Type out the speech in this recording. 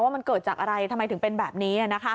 ว่ามันเกิดจากอะไรทำไมถึงเป็นแบบนี้